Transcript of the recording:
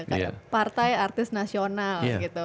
karena partai artis nasional gitu